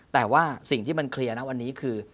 แต่ว่าสิ่งที่มันเคลียร์นะวันนี้คือ